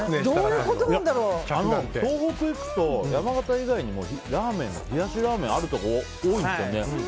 東北に行くと、山形以外にも冷やしラーメンがあるところ多いんですよ。